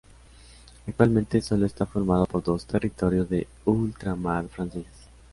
Actualmente solo está formado por dos territorios de ultramar franceses.